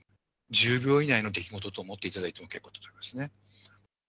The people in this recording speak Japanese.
１０秒以内の出来事と思っていただいても、結構でございますね。